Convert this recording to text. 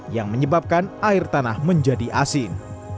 yang menyebabkan air tanah menjadi asin